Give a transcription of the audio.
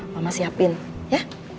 mama siapin ya